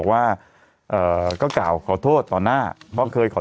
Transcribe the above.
สวัสดีครับคุณผู้ชม